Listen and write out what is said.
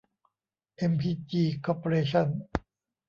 เอ็มพีจี คอร์ปอเรชั่น